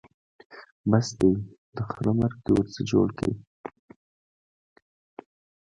بس دی؛ د خره مرګ دې ورڅخه جوړ کړ.